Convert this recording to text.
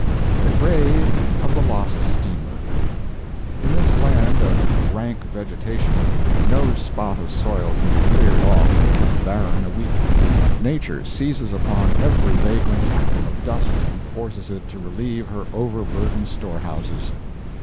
THE GRAVE OF THE LOST STEAMER In this land of rank vegetation, no spot of soil can be cleared off and kept barren a week. Nature seizes upon every vagrant atom of dust and forces it to relieve her over burdened store houses.